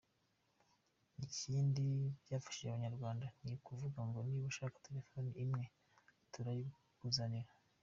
Ikindi byafashije Abanyarwanda ni ukuvuga ngo niba ushaka telefoni imwe turayikuzanira.